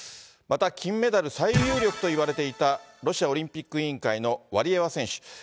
また、金メダル最有力といわれていたロシアオリンピック委員会のワリエワ選手。